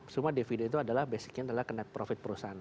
suma dividen itu adalah basicnya adalah kena profit perusahaan